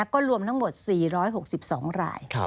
ก็รวมทั้งหมด๔๖๒ราย